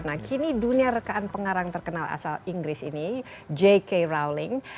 nah kini dunia rekaan pengarang terkenal asal inggris ini j k rowling